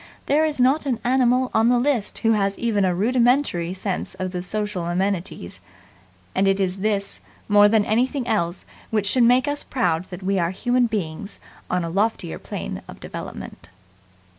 There is not an animal on the list who has even a rudimentary sense of the social amenities; and it is this more than anything else which should make us proud that we are human beings on a loftier plane of development.